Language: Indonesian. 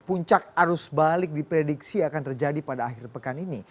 puncak arus balik diprediksi akan terjadi pada akhir pekan ini